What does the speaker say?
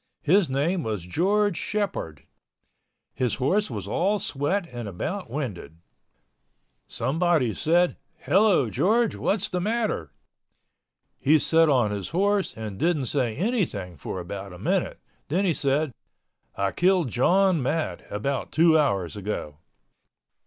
His name was George Shepord. His horse was all sweat and about winded. Someone said, "Hello, George. What is the matter?" He set on his horse and didn't say anything for about a minute—then he said, "I killed John Matt about two hours ago."